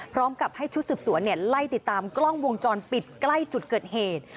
พร้อมกับให้ชุดสืบสวนไล่ติดตามกล้องวงจรปิดใกล้จุดเกิดเหตุ